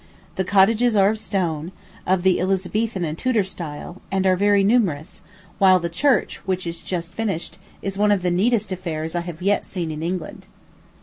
The cottages are of stone, of the Elizabethan and Tudor style, and are very numerous; while the church, which is just finished, is one of the neatest affairs I have yet seen in England.